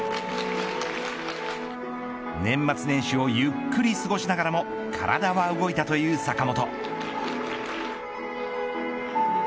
年末年始をゆっくり過ごしながらも体は動いたという坂本。